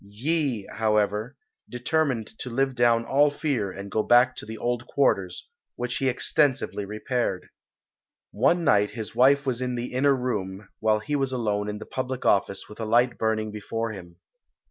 Yee, however, determined to live down all fear and go back to the old quarters, which he extensively repaired. One night his wife was in the inner room while he was alone in the public office with a light burning before him.